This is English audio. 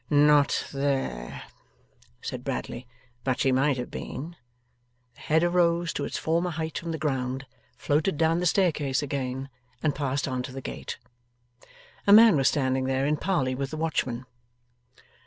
'Not there,' said Bradley; 'but she might have been.' The head arose to its former height from the ground, floated down the stair case again, and passed on to the gate. A man was standing there, in parley with the watchman.